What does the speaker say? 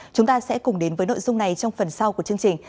chúng ta sẽ cùng đến với nội dung này trong phần sau của chương trình